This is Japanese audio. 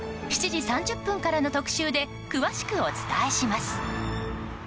７時３０分からの特集で詳しくお伝えします。